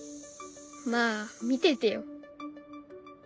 まあ見ててよ。